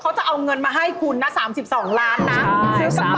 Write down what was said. เขาจะเอาเงินมาให้คุณนะ๓๒ล้านนะ